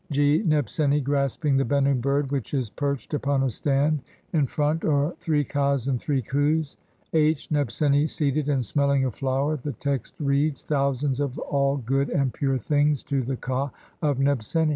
(g) Nebseni grasping the Bennu bird which is perched upon a stand ; in front are three kas and three khus. (h) Nebseni seated and smelling a flower, the text reads : "Thousands of all good and pure things to the ka of Nebseni.